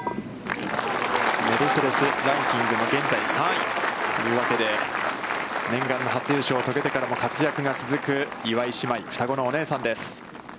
メルセデス・ランキング、現在３位というわけで、念願の初優勝を遂げてからも活躍が続く岩井姉妹、双子のお姉さんです。